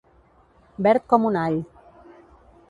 Verd com un all.